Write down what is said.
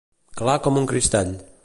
Clar com un cristall.